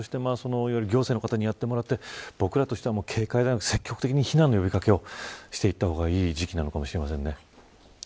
行政の方にやってもらって僕らとしては積極的に避難の呼び掛けをしていった方がいいかもしれませんね。